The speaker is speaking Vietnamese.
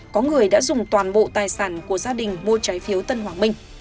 có người đã dùng toàn bộ tài sản của gia đình mua trái phiếu tân hoàng minh